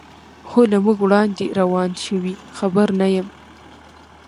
هو، له موږ وړاندې روان شوي، خبر نه یم.